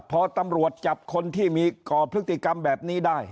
พอตำรวจจับคนที่มีก่อพฤติกรรมแบบนี้ได้